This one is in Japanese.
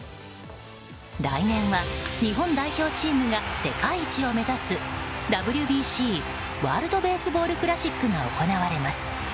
来年は日本代表チームが世界一を目指すＷＢＣ・ワールド・ベースボールクラシックが行われます。